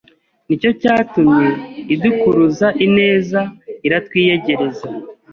nicyo cyatumye idukuruza ineza iratwiyegereza,